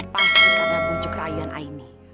pasti karena bujuk rayuan aini